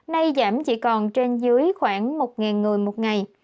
nay giảm chỉ còn trên dưới khoảng một người một ngày